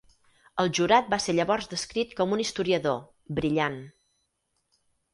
El jurat va ser llavors descrit com un historiador, brillant.